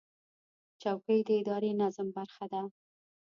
چوکۍ د اداري نظم برخه ده.